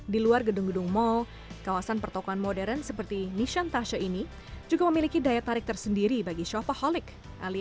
di luar gedung gedung mall kawasan pertokongan modern seperti nisantasa ini juga memiliki daya tarik tersendiri bagi shopaholic alias poholic